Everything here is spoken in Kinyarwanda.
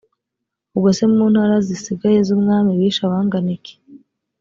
ubwo se mu ntara zisigaye z’umwami bishe abangana iki‽